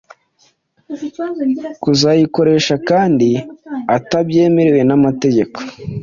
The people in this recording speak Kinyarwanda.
kuzikoresha kandi atabyemerewe n’amategeko